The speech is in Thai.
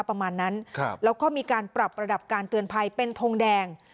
ประมาณนั้นแล้วก็มีการปรับระดับการเตือนภัยเป็นทงแดง